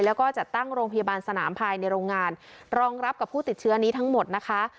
แล้วก็จัดตั้งโรงพยาบาลสนามภายในโรงงานรองรับกับผู้ติดเชื้อนี้ทั้งหมดนะคะ